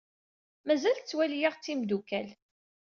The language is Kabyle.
Mazal tettwali-aɣ d timeddukal.